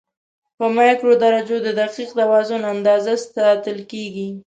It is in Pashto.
په مایکرو درجو د دقیق توازن اندازه ساتل کېږي.